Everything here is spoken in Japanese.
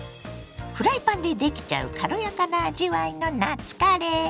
フライパンでできちゃう軽やかな味わいの夏カレー。